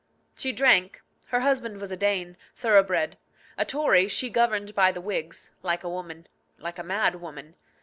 She drank. Her husband was a Dane, thoroughbred. A Tory, she governed by the Whigs like a woman, like a mad woman.